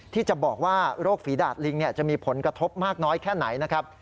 ที่จะบอกว่าโรคฝีดาดลิงจะมีผลกระทบมากน้อยแค่ไหนนะครับ